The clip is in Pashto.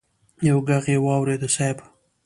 يو ږغ يې واورېد: صېب!